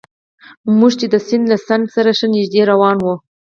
موږ چې د سیند له څنډې سره ښه نژدې روان وو.